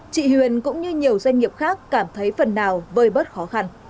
chị huyền cũng như nhiều doanh nghiệp khác cảm thấy phần nào vơi bớt khó khăn